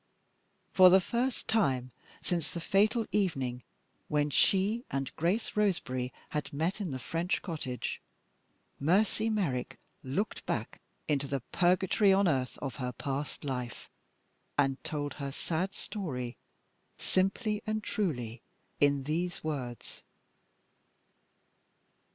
For the first time, since the fatal evening when she and Grace Roseberry had met in the French cottage, Mercy Merrick looked back into the purgatory on earth of her past life, and told her sad story simply and truly in these words.